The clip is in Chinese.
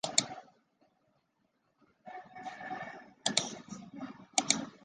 西部地区联赛的冠军可以直接升入丙级联赛。